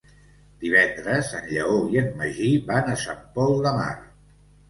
Divendres en Lleó i en Magí van a Sant Pol de Mar.